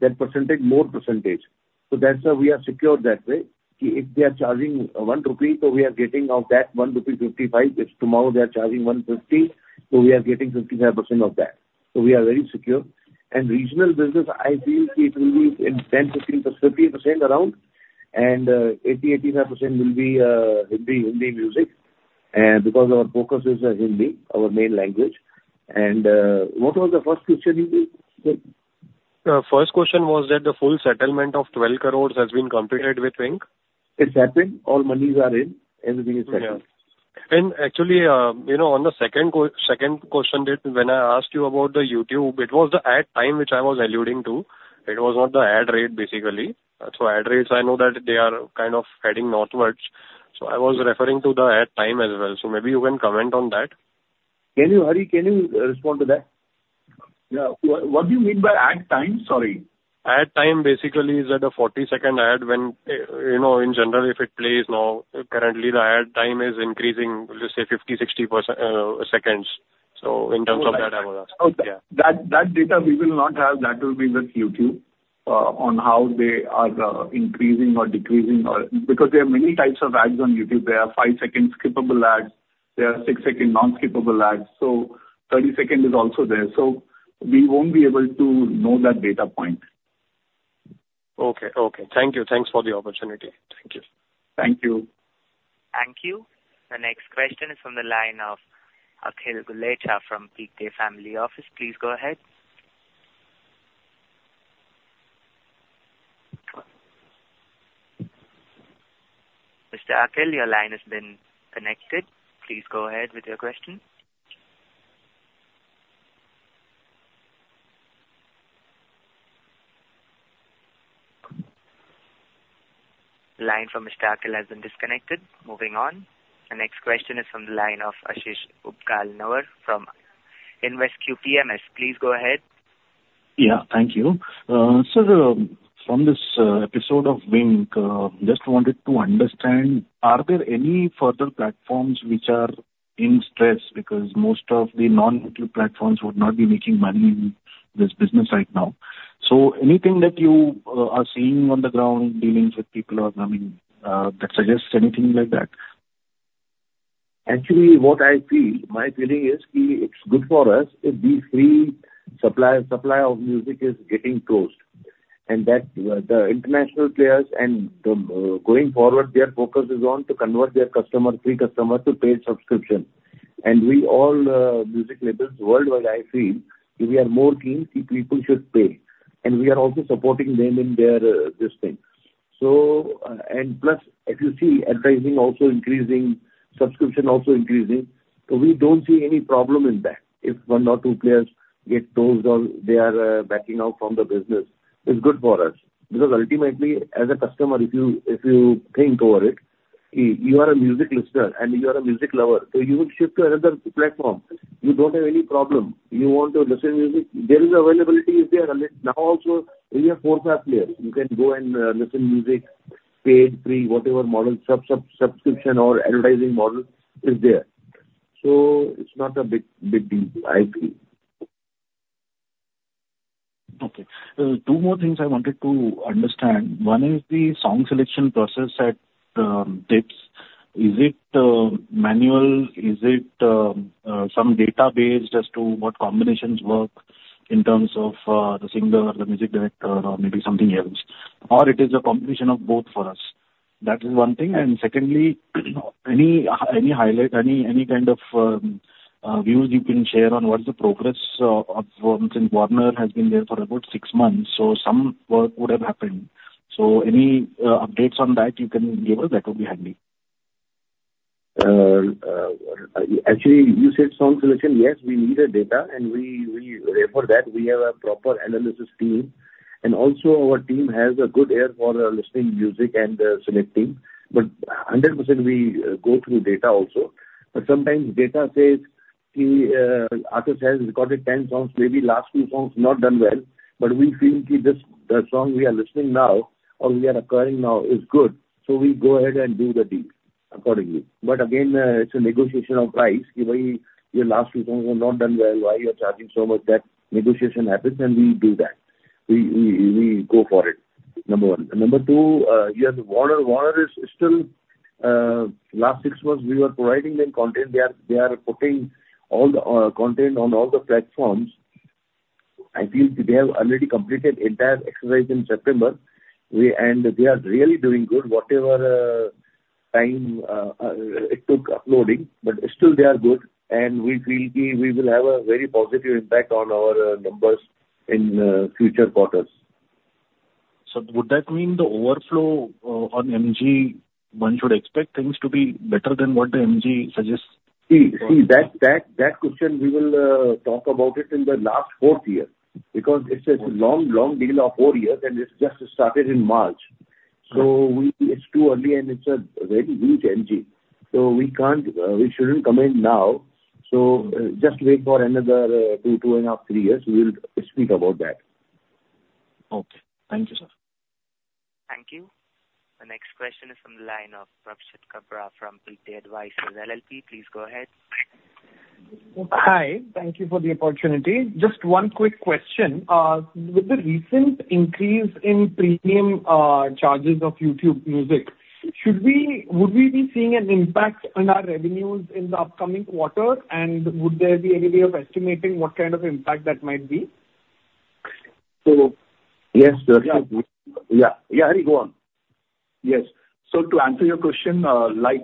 that percentage, more percentage. So that's why we are secure that way. See if they are charging one rupee, so we are getting 55% of that one rupee. If tomorrow they are charging one fifty, so we are getting 55% of that. So we are very secure. Regional business, I feel it will be in 10, 15, 50% around, and 80-85% will be Hindi music. Because our focus is Hindi, our main language. What was the first question you gave? First question was that the full settlement of 12 crore has been completed with Wynk? It happened. All monies are in, everything is settled. Yeah. And actually, you know, on the second question, that when I asked you about the YouTube, it was the ad time, which I was alluding to. It was not the ad rate, basically. So ad rates, I know that they are kind of heading northwards, so I was referring to the ad time as well. So maybe you can comment on that. Can you, Hari, can you respond to that? Yeah. What do you mean by ad time? Sorry. Ad time basically is that: a 40-second ad when, you know, in general, if it plays now, currently, the ad time is increasing, let's say 50, 60 seconds. So in terms of that, I was asking. Okay. Yeah. That, that data we will not have. That will be with YouTube on how they are increasing or decreasing or... Because there are many types of ads on YouTube. There are five-second skippable ads, there are 60 non-skippable ads, so thirty-second is also there. So we won't be able to know that data point. Okay. Thank you. Thanks for the opportunity. Thank you. Thank you. Thank you. The next question is from the line of Akhil Gulecha from PK Family Office. Please go ahead. Mr. Akhil, your line has been connected. Please go ahead with your question. Line from Mr. Akhil has been disconnected. Moving on. The next question is from the line of Aashish Upganlawar from InvesQ PMS. Please go ahead. Yeah, thank you. So from this episode of Wynk, just wanted to understand, are there any further platforms which are in stress? Because most of the non-YouTube platforms would not be making money in this business right now. So anything that you are seeing on the ground, dealings with people or, I mean, that suggests anything like that? Actually, what I feel, my feeling is, ki it's good for us if these free supply of music is getting closed, and that, the international players and the, going forward, their focus is on to convert their customer, free customer to paid subscription. And we all, music labels worldwide, I feel, we are more keen ki people should pay, and we are also supporting them in their, this thing. So, and plus, if you see advertising also increasing, subscription also increasing, so we don't see any problem in that. If one or two players get closed or they are, backing out from the business, it's good for us. Because ultimately, as a customer, if you, if you think over it, you are a music listener and you are a music lover, so you will shift to another platform. You don't have any problem. You want to listen music, there is availability if they are unless now also, we have four, five players. You can go and listen music, paid, free, whatever model, subscription or advertising model is there. So it's not a big, big deal, I feel. Okay. Two more things I wanted to understand. One is the song selection process at Tips. Is it manual? Is it some data-based as to what combinations work in terms of the singer or the music director, or maybe something else, or it is a combination of both for us? That is one thing. And secondly, any highlight, any kind of views you can share on what is the progress of Warner? Since Warner has been there for about six months, so some work would have happened. So any updates on that you can give us, that would be handy. Actually, you said song selection. Yes, we need a data, and for that, we have a proper analysis team. And also, our team has a good ear for listening music and selecting. But 100% we go through data also. But sometimes data says, ki artist has recorded 10 songs, maybe last few songs not done well, but we feel ki this, the song we are listening now or we are acquiring now is good, so we go ahead and do the deal accordingly. But again, it's a negotiation of price. Ki bhai, your last 2 songs were not done well, why you are charging so much? That negotiation happens, and we do that. We go for it, number one. Number two, yes, Warner is still... Last 6 months, we were providing them content. They are putting all the content on all the platforms. I feel they have already completed entire exercise in September. They are really doing good. Whatever time it took uploading, but still they are good. We feel ki we will have a very positive impact on our numbers in future quarters. Would that mean the overflow on MG, one should expect things to be better than what the MG suggests? See, that question, we will talk about it in the last fourth year, because it's a long deal of four years, and it's just started in March. It's too early, and it's a very huge MG, so we can't, we shouldn't comment now. Just wait for another two and a half, three years, we will speak about that. Okay. Thank you, sir. Thank you. The next question is from the line of Rakshit Kabra from Pilky Advisors LLP. Please go ahead. Hi. Thank you for the opportunity. Just one quick question. With the recent increase in premium charges of YouTube music, would we be seeing an impact on our revenues in the upcoming quarter? And would there be any way of estimating what kind of impact that might be? So, yes, Rakshit. Yeah. Yeah, Hari, go on. Yes. So to answer your question, like,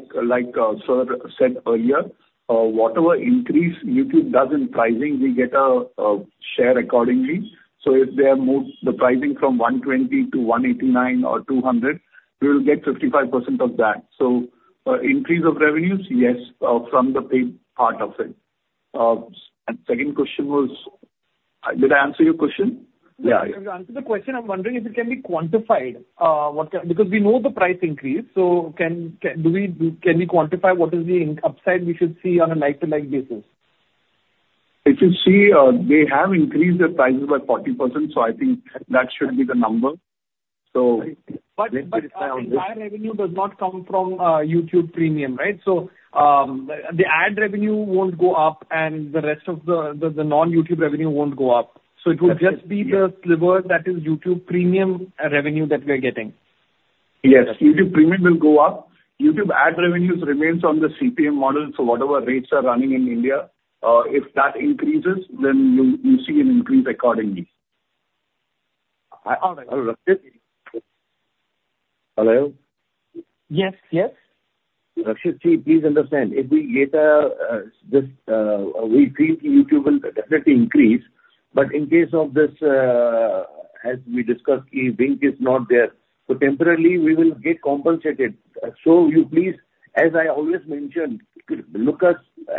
sir said earlier, whatever increase YouTube does in pricing, we get a share accordingly. So if they move the pricing from one twenty to one eighty-nine or two hundred, we will get 55% of that. So, increase of revenues, yes, from the paid part of it, and second question was? Did I answer your question? Yeah, yeah. You answered the question. I'm wondering if it can be quantified, what the... Because we know the price increase, so can we quantify what is the incremental upside we should see on a like-to-like basis? If you see, they have increased their prices by 40%, so I think that should be the number. So- But our revenue does not come from YouTube Premium, right? So the ad revenue won't go up, and the rest of the non-YouTube revenue won't go up. That's it, yeah. So it will just be the sliver that is YouTube Premium, revenue that we are getting. Yes. YouTube Premium will go up. YouTube ad revenues remains on the CPM model, so whatever rates are running in India, if that increases, then you see an increase accordingly. All right. Hello? Yes, yes. Rakshit, please understand, if we get this, we feel YouTube will definitely increase. But in case of this, as we discussed, ki Wynk is not there, so temporarily we will get compensated. So you please, as I always mentioned, look at us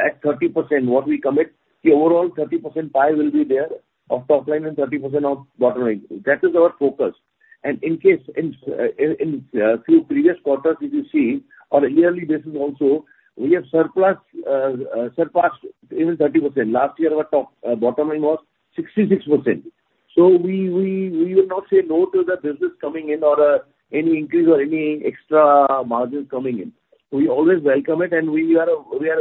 at 30%, what we commit, the overall 30% pie will be there of top line and 30% of bottom line. That is our focus. And in case, in few previous quarters, if you see, on a yearly basis also, we have surpassed even 30%. Last year, our bottom line was 66%. So we will not say no to the business coming in or any increase or any extra margins coming in. We always welcome it, and we are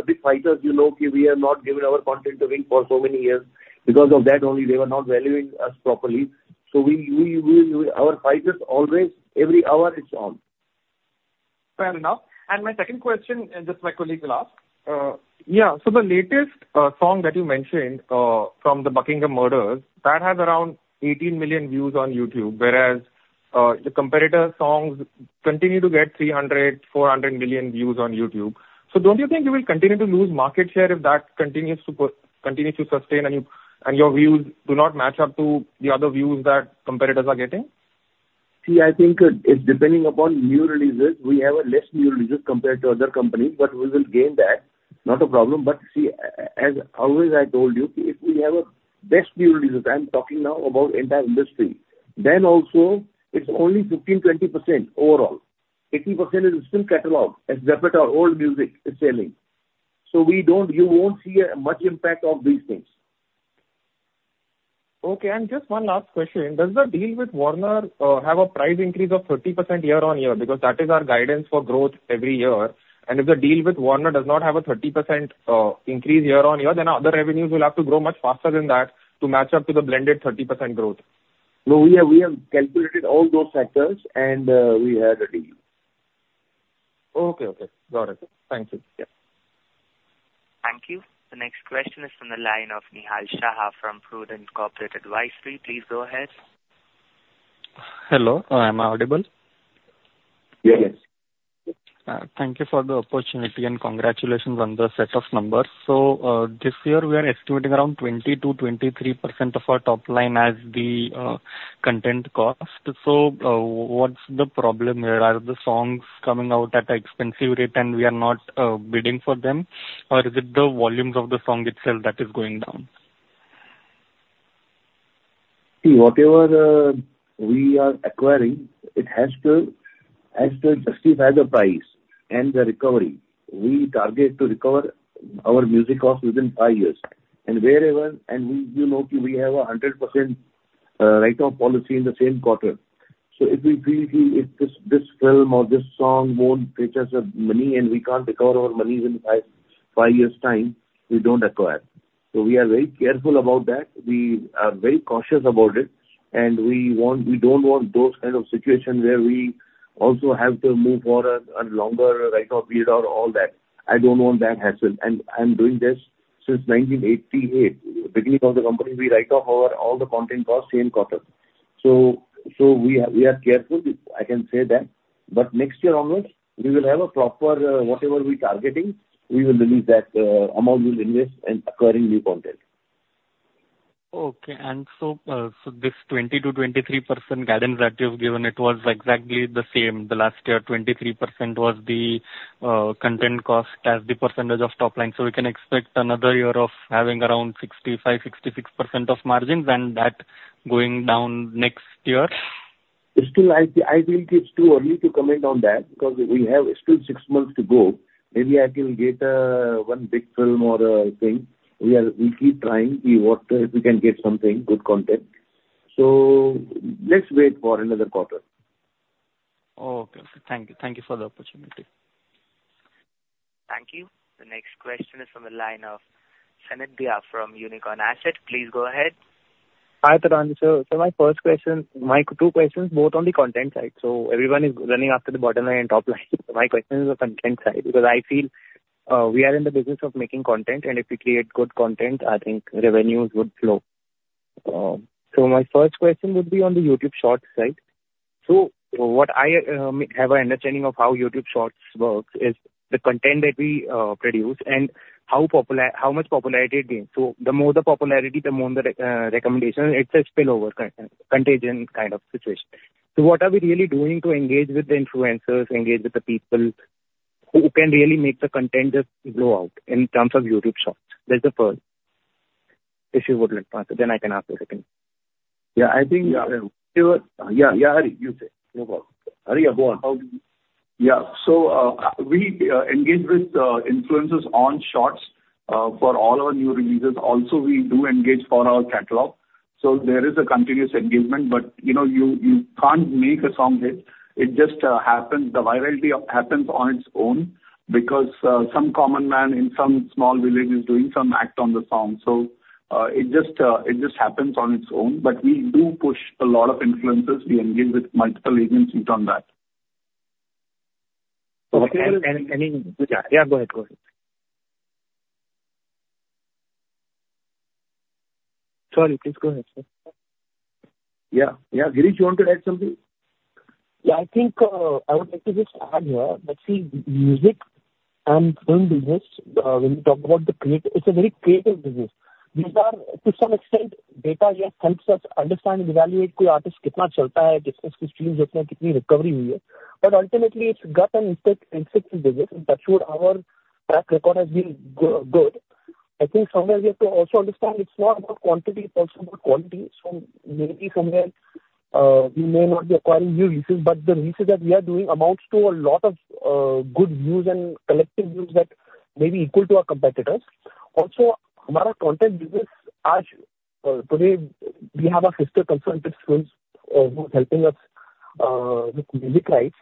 big fighters. You know, we have not given our content to Wynk for so many years. Because of that only, they were not valuing us properly. So we, our fight is always, every hour, it's on. Fair enough. And my second question, and this my colleague will ask. Yeah, so the latest song that you mentioned from The Buckingham Murders that has around 18 million views on YouTube, whereas the competitor's songs-... continue to get 300, 400 million views on YouTube. So don't you think you will continue to lose market share if that continues to sustain, and your views do not match up to the other views that competitors are getting? See, I think, it's depending upon new releases. We have less new releases compared to other companies, but we will gain that, not a problem. But see, as always, I told you, if we have a best new releases, I'm talking now about entire industry, then also it's only 15-20% overall. 80% is still catalog, as our old music is selling. So you won't see much impact of these things. Okay, and just one last question: Does the deal with Warner have a price increase of 30% year on year? Because that is our guidance for growth every year, and if the deal with Warner does not have a 30% increase year-on-year, then our other revenues will have to grow much faster than that to match up to the blended 30% growth. No, we have, we have calculated all those factors, and we have the deal. Okay. Okay. Got it. Thank you. Yeah. Thank you. The next question is from the line of Nehal Shah from Prudent Corporate Advisory. Please go ahead. Hello, am I audible? Yes. Thank you for the opportunity, and congratulations on the set of numbers. So, this year we are estimating around 20%-23% of our top line as the content cost. So, what's the problem here? Are the songs coming out at an expensive rate, and we are not bidding for them, or is it the volumes of the song itself that is going down? See, whatever we are acquiring, it has to justify the price and the recovery. We target to recover our music cost within five years. And wherever, and we, you know, we have a 100% write-off policy in the same quarter. So if we feel that this film or this song won't get us the money, and we can't recover our money within five years' time, we don't acquire. So we are very careful about that. We are very cautious about it, and we don't want those kind of situations where we also have to move for a longer write-off period or all that. I don't want that hassle. I'm doing this since 1988. Beginning of the company, we write off our all the content costs same quarter. We are careful. I can say that, but next year onwards, we will have a proper whatever we're targeting. We will release that amount we'll invest in acquiring new content. Okay. So this 20-23% guidance that you've given, it was exactly the same the last year. 23% was the content cost as the percentage of top line. So we can expect another year of having around 65-66% of margins, and that going down next year? Still, I think it's too early to comment on that, because we have still six months to go. Maybe I can get one big film or a thing. We keep trying, see what we can get something, good content. So let's wait for another quarter. Okay. Thank you. Thank you for the opportunity. Thank you. The next question is from the line of Sanyam Jain from Unicorn Asset. Please go ahead. Hi, Tarun. So my first question, my two questions, both on the content side. So everyone is running after the bottom line and top line. My question is the content side, because I feel we are in the business of making content, and if we create good content, I think revenues would flow. So my first question would be on the YouTube Shorts side. So what I have an understanding of how YouTube Shorts works is the content that we produce and how popular, how much popularity it gains. So the more the popularity, the more the recommendation. It's a spillover kind, contagion kind of situation. So what are we really doing to engage with the influencers, engage with the people who can really make the content just go out in terms of YouTube Shorts? That's the first, if you would like to answer, then I can ask the second. Yeah, I think, Yeah. Yeah, yeah, Hari, you say. No problem. Hari, yeah, go on. Yeah. So, we engage with influencers on Shorts for all our new releases. Also, we do engage for our catalog. So there is a continuous engagement, but, you know, you can't make a song hit. It just happens. The virality happens on its own, because some common man in some small village is doing some act on the song. So, it just happens on its own. But we do push a lot of influencers. We engage with multiple agencies on that. Yeah, go ahead. Go ahead. Sorry, please go ahead, sir. Yeah, yeah, Girish, you want to add something? Yeah, I think I would like to just add here, that see, music and film business, when you talk about the creative, it's a very creative business. These are, to some extent, data just helps us understand and evaluate..., but ultimately, it's gut and instinct business, and that's where our track record has been good. I think somewhere we have to also understand, it's not about quantity, it's also about quality. So maybe somewhere, we may not be acquiring new releases, but the releases that we are doing amounts to a lot of good views and collective views that may be equal to our competitors. Also, our content business, as today, we have our sister content labels who are helping us with music rights,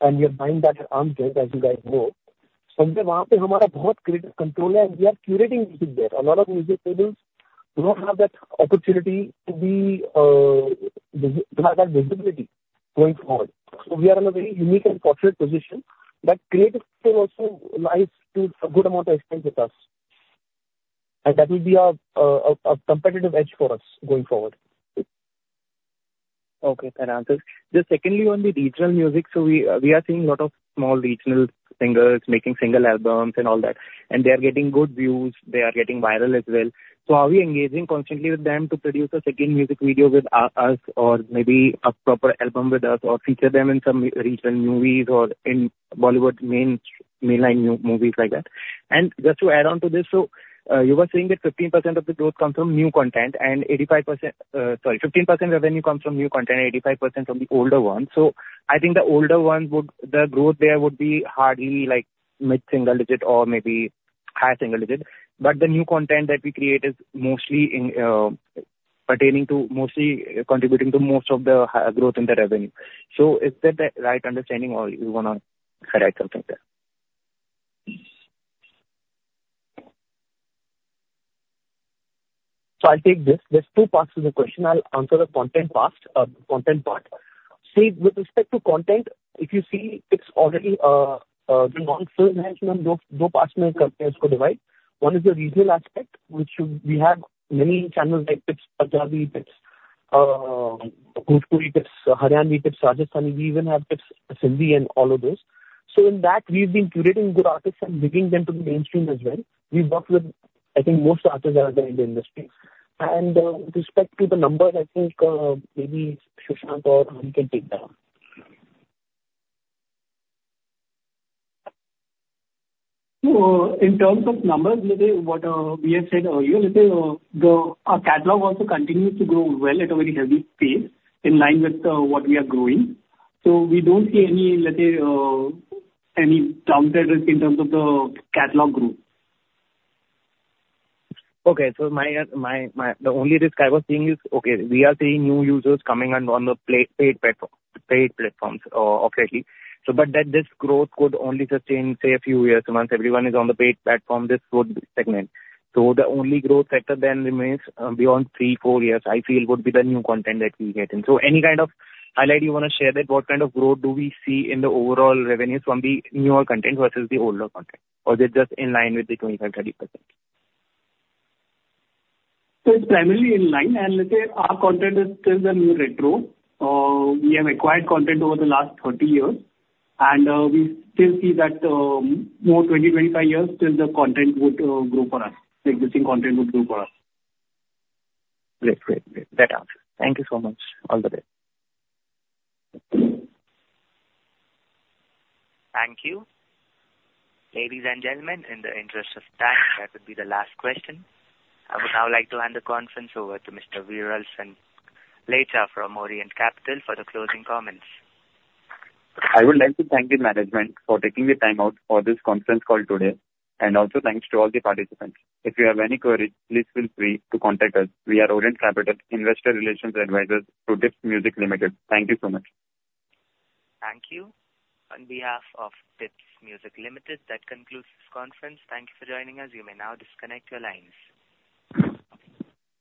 and we are buying that as you guys know. So we are curating music there. A lot of music labels do not have that opportunity to have that visibility going forward. So we are in a very unique and fortunate position, that creative people also like to put a good amount of expense with us. And that will be our competitive edge for us going forward. Okay, fair answer. Just secondly, on the regional music, so we are seeing a lot of small regional singers making single albums and all that, and they are getting good views, they are getting viral as well. So are we engaging constantly with them to produce a second music video with us, or maybe a proper album with us, or feature them in some regional movies or in Bollywood mainline movies like that? And just to add on to this, you were saying that 15% of the growth comes from new content and 85%, sorry, 15% revenue comes from new content and 85% from the older one. So I think the older one, the growth there would be hardly like mid-single digit or maybe high single digit. But the new content that we create is mostly in, pertaining to mostly contributing to most of the growth in the revenue. So is that the right understanding, or you wanna add something there? So I'll take this. There's two parts to the question. I'll answer the content part. See, with respect to content, if you see it's already the non-film management. One is the regional aspect, which we have many channels like Tips Punjabi, Tips Gujarati, Tips Rajasthani. We even have Tips Sindhi and all of this. So in that, we've been curating good artists and bringing them to the mainstream as well. We've worked with, I think, most artists that are there in the industry. And with respect to the numbers, I think maybe Sushant or Ankit can take that. So, in terms of numbers, let's say what we have said earlier, let's say, our catalog also continues to grow well at a very healthy pace, in line with what we are growing. So we don't see any, let's say, any downside risk in terms of the catalog growth. Okay, so the only risk I was seeing is, okay, we are seeing new users coming on the paid platforms, obviously. So but that this growth could only sustain, say, a few years. Once everyone is on the paid platform, this growth segment. So the only growth sector then remains, beyond 3-4 years, I feel, would be the new content that we get in. So any kind of highlight you wanna share that what kind of growth do we see in the overall revenues from the newer content versus the older content? Or they're just in line with the 25%-30%? So it's primarily in line, and let's say our content is still the new retro. We have acquired content over the last 30 years, and we still see that more 20-25 years still the content would grow for us. The existing content would grow for us. Great. Great, great. Better. Thank you so much. All the best. Thank you. Ladies and gentlemen, in the interest of time, that would be the last question. I would now like to hand the conference over to Mr. Viral Sanklecha from Orient Capital for the closing comments. I would like to thank the management for taking the time out for this conference call today, and also thanks to all the participants. If you have any queries, please feel free to contact us. We are Orient Capital investor relations advisors to Tips Music Limited. Thank you so much. Thank you. On behalf of Tips Music Limited, that concludes this conference. Thank you for joining us. You may now disconnect your lines.